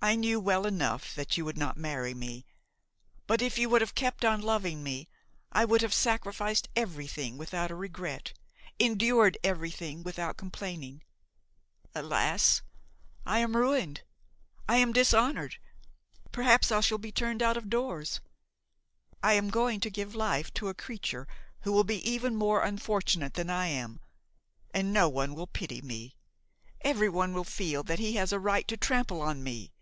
I knew well enough that you would not marry me; but if you would have kept on loving me, I would have sacrificed everything without a regret, endured everything without complaining. Alas! I am ruined! I am dishonored! perhaps I shall be turned out of doors. I am going to give life to a creature who will be even more unfortunate than I am, and no one will pity me. Everyone will feel that he has a right to trample on me.